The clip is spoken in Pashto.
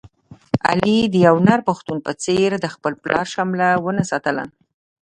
علي د یو نر پښتون په څېر د خپل پلار شمله و نه ساتله.